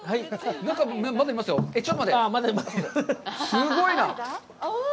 すごいな。